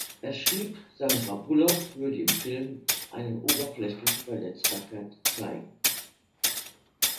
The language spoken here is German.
Er schrieb, Sandra Bullock würde im Film eine „oberflächliche Verletzbarkeit“ zeigen.